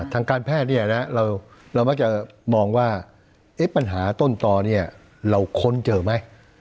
ทางการแพทย์เนี่ยนะเรามักจะมองว่าปัญหาต้นต่อเนี่ยเราค้นเจอไหม